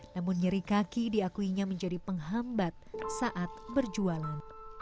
namun nyeri kaki diakuinya menjadi penghambat saat berjualan